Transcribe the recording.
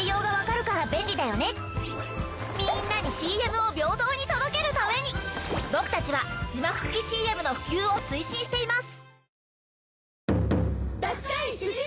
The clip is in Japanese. みんなにＣＭを平等に届けるために僕たちは字幕付きＣＭの普及を推進しています。